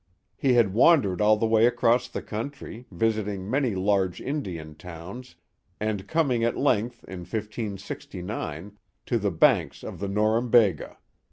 He had wan dered all the way across the country, visiting many large Indian towns, and coming at length, in 1569, to the banks of the Norum bega.